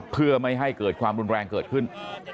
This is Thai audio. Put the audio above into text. เพื่อไม่ให้เกิดความรุนแรงเกิดขึ้น